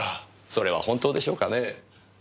それはホントでしょうかねえ。